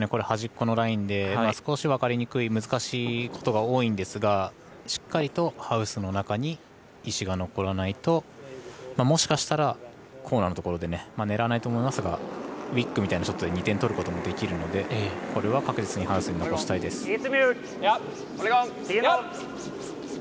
端っこのラインで少し分かりにくい難しいことが多いんですがしっかりとハウスの中に石が残らないともしかしたらコーナーのところで狙わないと思いますけどウィックみたいなショットで２点取ることもできるのでこれは確実にハウスに残したいです。